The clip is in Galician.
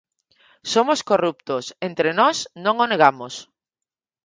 Somos corruptos, entre nós non o negamos.